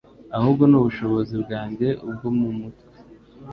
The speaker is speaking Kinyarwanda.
ahubwo ni ubushobozi bwanjye bwo mu mutwe.”